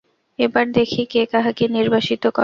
এবার দেখি কে কাহাকে নির্বাসিত করে।